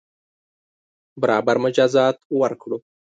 برابر مجازات ورکړو.